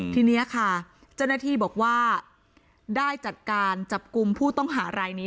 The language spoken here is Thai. ทีนี้ค่ะเจ้าหน้าที่บอกว่าได้จัดการจับกลุ่มผู้ต้องหารายนี้